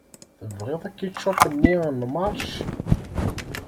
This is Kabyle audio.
Tebɣiḍ akičup-nni a Marc?